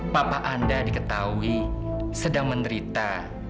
papa anda diketahui sedang menderita